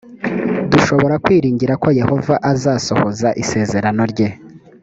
dushobora kwiringira ko yehova azasohoza isezerano rye